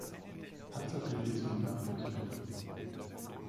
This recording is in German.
Panzerdivision nach Düsseldorf.